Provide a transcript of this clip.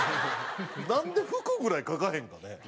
なんで服ぐらい描かへんかね？